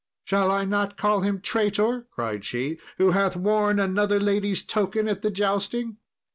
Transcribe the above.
"Shall I not call him traitor," cried she, "who hath worn another lady's token at the jousting?"